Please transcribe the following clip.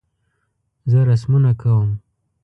زه رسمونه کوم